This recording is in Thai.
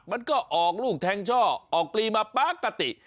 มันก็ออกลูกแทงช่อออกปลีมาปกติ